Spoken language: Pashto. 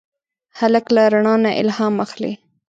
هلک له رڼا نه الهام اخلي.